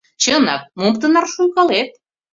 — Чынак, мом тынар шуйкалет?